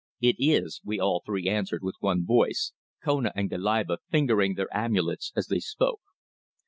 "It is," we all three answered with one voice, Kona and Goliba fingering their amulets as they spoke.